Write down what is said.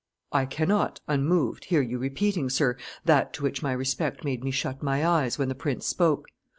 "I cannot unmoved hear you repeating, sir, that to which my respect made me shut my eyes when the prince spoke.